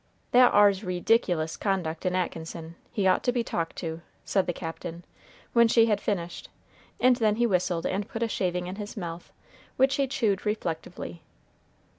"That ar's rediculous conduct in Atkinson. He ought to be talked to," said the Captain, when she had finished, and then he whistled and put a shaving in his mouth, which he chewed reflectively.